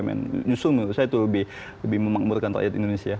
menyusun menurut saya itu lebih memakmurkan rakyat indonesia